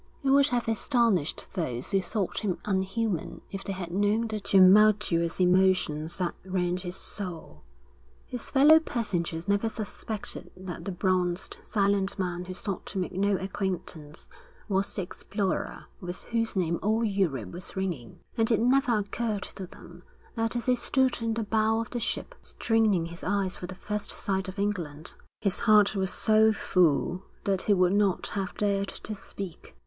It would have astonished those who thought him unhuman if they had known the tumultuous emotions that rent his soul. His fellow passengers never suspected that the bronzed, silent man who sought to make no acquaintance, was the explorer with whose name all Europe was ringing; and it never occurred to them that as he stood in the bow of the ship, straining his eyes for the first sight of England, his heart was so full that he would not have dared to speak.